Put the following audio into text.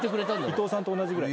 伊藤さんと同じぐらい？